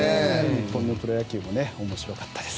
日本のプロ野球も面白かったです。